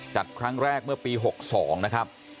จัดครั้งแรกเมื่อปี๖๒นะครับ